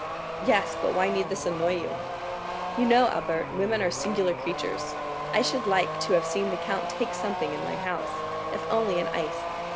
"Yes; but why need this annoy you?" "You know, Albert, women are singular creatures. I should like to have seen the count take something in my house, if only an ice.